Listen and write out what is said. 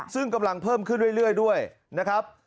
ซึ่งกำลังเพิ่มขึ้นเรื่อยด้วยนะครับ